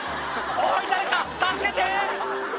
おい、誰か、助けて！